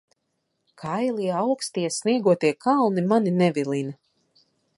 Kailie, aukstie, sniegotie kalni mani nevilina.